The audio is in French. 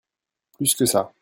Plus que ça.